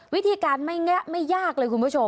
วิธีการไม่แงะไม่ยากเลยคุณผู้ชม